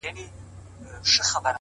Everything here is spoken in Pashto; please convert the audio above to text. ستا زړه ته خو هر څوک ځي راځي گلي ـ